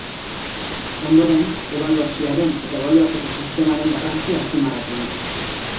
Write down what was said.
Ondoren, ebaluazioaren eta ebaluatzeko sistemaren garrantzia azpimarratu du.